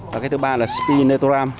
và cái thứ ba là spinetoram